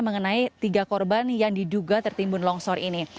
mengenai tiga korban yang diduga tertimbun longsor ini